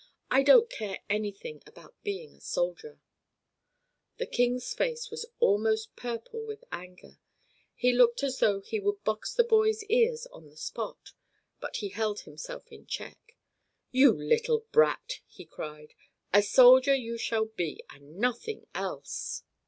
I don't care anything about being a soldier." The King's face was almost purple with anger. He looked as though he would box the boy's ears on the spot, but he held himself in check. "You little brat!" he cried. "A soldier you shall be, and nothing else!